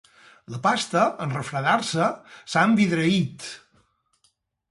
La pasta, en refredar-se, s'ha envidreït.